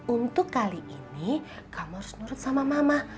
untuk kali ini kamu harus nurut sama mama